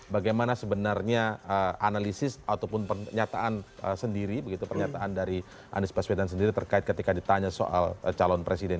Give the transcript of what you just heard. bagaimana sebenarnya analisis ataupun pernyataan sendiri begitu pernyataan dari anies baswedan sendiri terkait ketika ditanya soal calon presiden